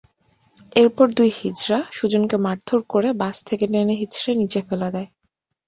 এরপর দুই হিজড়া সুজনকে মারধর করে বাস থেকে টেনেহিঁচড়ে নিচে ফেলে দেয়।